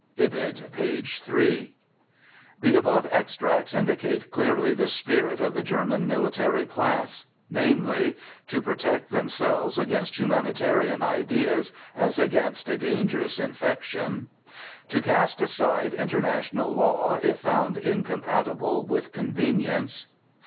_ (Ibid page 3) The above extracts indicate clearly the spirit of the German military class, namely, To protect themselves against humanitarian ideas, as against a dangerous infection. To cast aside international law if found incompatible with convenience.